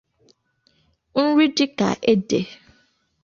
nri dịka ede